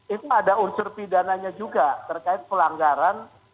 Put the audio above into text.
itu ada unsur pidananya juga terkait pelanggaran